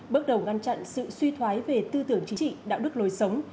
bước đầu ngăn chặn sự suy thoái về tư tưởng chính trị đạo đức lối sống